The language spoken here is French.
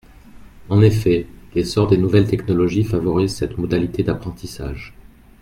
En effet, l’essor des nouvelles technologies favorise cette modalité d’apprentissage.